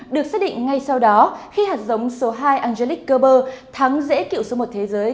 được xác định ngay sau đó khi hạt giống số hai angelic kerber thắng dễ kiệu số một thế giới